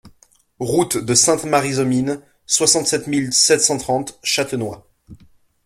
Route de Sainte-Marie-aux-Mines, soixante-sept mille sept cent trente Châtenois